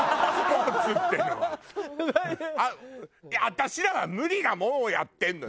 私らは無理なもんをやってるのよ